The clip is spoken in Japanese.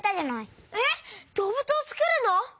えっどうぶつをつくるの！？